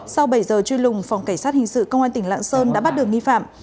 sau bảy giờ truy lùng phòng cảnh sát hình sự công an tỉnh lạng sơn đã bắt được nghi phạm